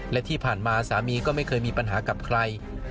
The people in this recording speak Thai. และที่ผ่านมาสามีก็ไม่เคยมีปัญหากับใคร